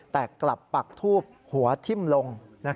แต่กลับปักทูบหัวทิ้มลง